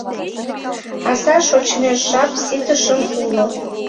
Аза шочмеш жап ситышын уло.